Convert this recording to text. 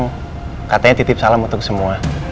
banyak ikhlas yang di situ